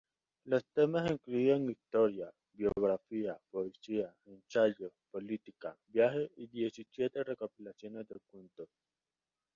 Los temas incluían historia, biografía, poesía, ensayos, política, viaje y diecisiete recopilaciones de cuentos.